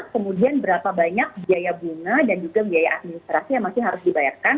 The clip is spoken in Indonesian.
kemudian berapa banyak biaya bunga dan juga biaya administrasi yang masih harus dibayarkan